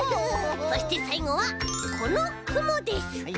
そしてさいごはこのくもです！